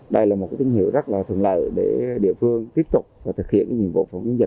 đây là một tín hiệu rất là thường lợi để địa phương tiếp tục thực hiện nhiệm vụ